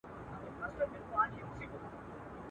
دې شاعرانو او کیسه لیکوالو ته